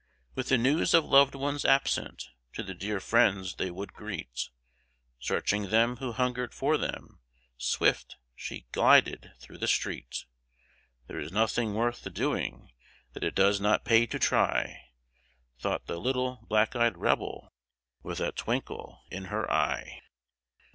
With the news of loved ones absent to the dear friends they would greet, Searching them who hungered for them, swift she glided through the street, "There is nothing worth the doing that it does not pay to try," Thought the little black eyed rebel, with a twinkle in her eye.